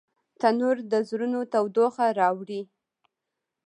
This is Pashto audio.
تنور د زړونو تودوخه راوړي